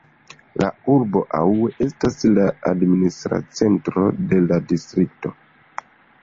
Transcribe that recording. La urbo Aue estas la administra centro de la distrikto.